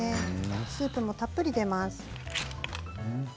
スープもたっぷりと出ます。